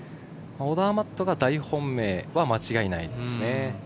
オダーマットが大本命は間違いないですね。